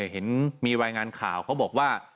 เห็นมีรายงานข่าวเขาบอกว่า